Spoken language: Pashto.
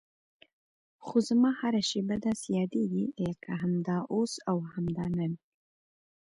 خو زما هره شېبه داسې یادېږي لکه همدا اوس او همدا نن.